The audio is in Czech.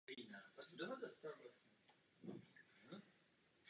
Měla své nedostatky.